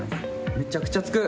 めちゃくちゃ付く！